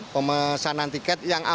pemesanan tiket yang awal